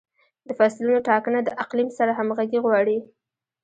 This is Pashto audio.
د فصلونو ټاکنه د اقلیم سره همغږي غواړي.